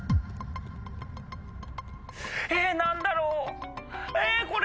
え何だろう？